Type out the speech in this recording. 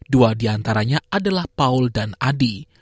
dua di antaranya adalah paul dan adi